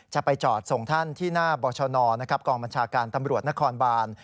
จะไปจอดส่งท่านที่หน้าบชนกองบัญชาการตำรวจนครบาน